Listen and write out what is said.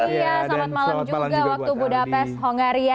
iya selamat malam juga waktu budapest hongaria